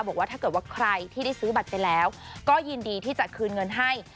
บอกว่าถ้าเกิดว่าใครที่ได้ซื้อบัตรไปแล้วก็ยินดีที่จะคืนเงินให้